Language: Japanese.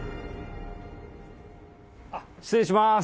失礼します。